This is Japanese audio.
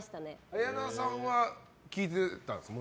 綾菜さんは聞いてたんですか？